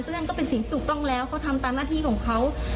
นั่นก็เป็นสิ่งถูกต้องแล้วเขาทำตามหน้าที่ของเขา